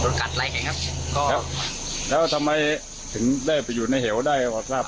รถกัดไล่ไงครับครับแล้วทำไมถึงได้ไปอยู่ในเห็วได้หรอครับ